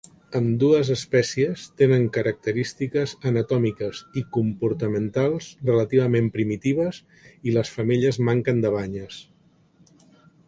Ambdues espècies tenen característiques anatòmiques i comportamentals relativament primitives i les femelles manquen de banyes.